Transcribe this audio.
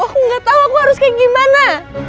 aku gak tahu aku harus kayak gimana